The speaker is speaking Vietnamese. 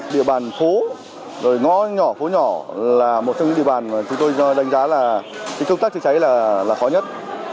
địa bàn phố rồi ngõ nhỏ phố nhỏ là một trong những địa bàn mà chúng tôi đánh giá là công tác chữa cháy là khó nhất